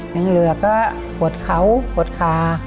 ยังเหลือก็ปวดเขาปวดขา